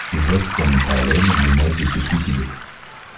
Wolfgang Paalen menace de se suicider.